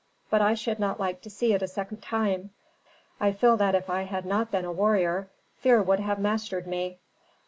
But I should not like to see it a second time. I feel that if I had not been a warrior fear would have mastered me."